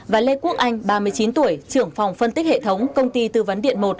và lê quốc anh ba mươi chín tuổi trưởng phòng phân tích hệ thống công ty tư vấn điện một